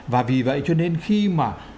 và vì vậy cho nên khi mà